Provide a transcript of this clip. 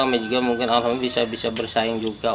kami juga bisa bersaing juga